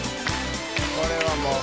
これはもう。